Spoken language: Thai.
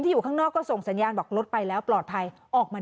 อยู่ข้างนอกก็ส่งสัญญาณบอกรถไปแล้วปลอดภัยออกมา